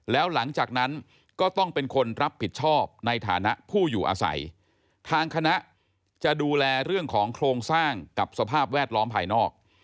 แล้วหลังจากนั้นก็ต้องเป็นคนรับผิดชอบในฐานะผู้อยู่อาศัยทางคณะจะดูแลเรื่องของโครงสร้างกับสภาพแวดล้อมภายนอก